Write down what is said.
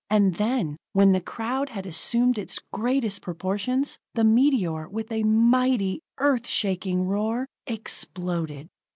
And then, when the crowd had assumed its greatest proportions, the meteor, with a mighty, Earth shaking roar, exploded.